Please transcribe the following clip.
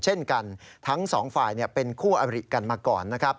เช่นกันทั้งสองฝ่ายเป็นคู่อริกันมาก่อนนะครับ